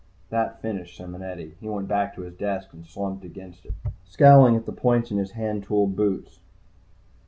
That finished Simonetti. He went back to his desk and slumped against it, scowling at the points of his handtooled boots.